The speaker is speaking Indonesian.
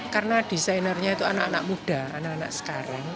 karena desainernya itu anak anak muda anak anak sekarang